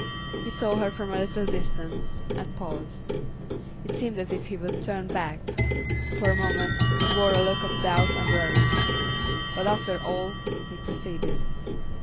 He saw her from a little distance, and paused; it seemed as if he would turn back; for a moment he wore a look of doubt and worry. But after all he proceeded.